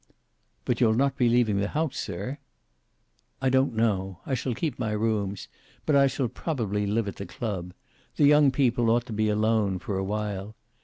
"But you'll not be leaving the house, sir?" "I don't know. I shall keep my rooms. But I shall probably live at the club. The young people ought to be alone, for a while.